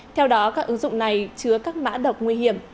theo đó các ứng dụng này chứa các mã độc nguy hiểm